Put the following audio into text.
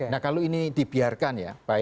nah kalau ini dibiarkan ya baik ya